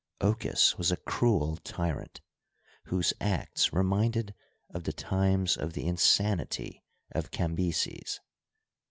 Ochus was a cruel tyrant, whose acts reminded of the times of the insanity of Cambyses.